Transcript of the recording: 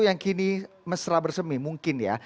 yang kini mesra bersemi mungkin ya